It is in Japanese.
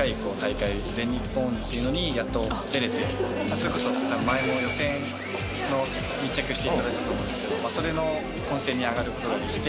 それこそ前も予選の密着していただいたと思うんですけどそれの本戦に上がることができて。